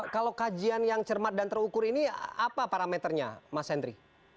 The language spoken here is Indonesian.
kalau kajian yang cermat dan terukur ini apa parameternya mas henry